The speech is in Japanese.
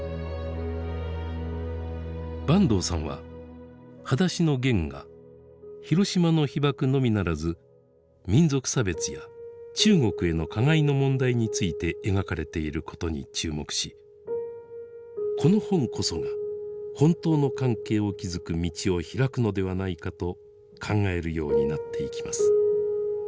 坂東さんは「はだしのゲン」が広島の被爆のみならず民族差別や中国への加害の問題について描かれていることに注目しこの本こそが本当の関係を築く道を開くのではないかと考えるようになっていきます。